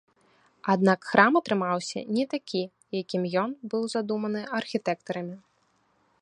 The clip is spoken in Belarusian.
Аднак храм атрымаўся не такі, якім ён быў задуманы архітэктарамі.